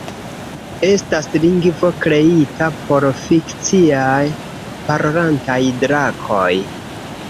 Estas lingvo kreita por fikciaj parolantaj drakoj.